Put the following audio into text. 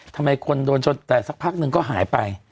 ทำไมคนโดนชนแต่สักพักหนึ่งก็หายไป